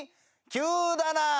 急だなぁ。